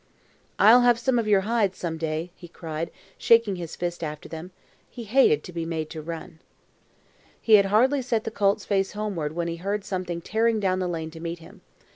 "I'll have some of your hides some day," he cried, shaking his fist after them. He hated to be made to run. He had hardly set the colt's face homeward when he heard something tearing down the lane to meet him.